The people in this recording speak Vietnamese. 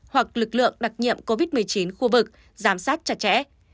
hoặc lực lượng đặc nhiệm covid một mươi chín khu vực giám sát chặt chẽ